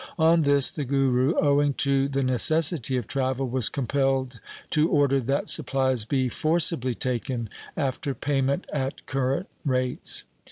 On this the Guru, owing to the necessity of travel, was compelled to order that supplies be forcibly taken after payment at current rates.